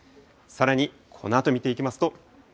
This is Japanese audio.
さらにこのあと見ていきますと。